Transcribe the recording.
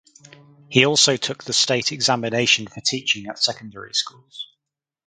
He also took the state examination for teaching at secondary schools.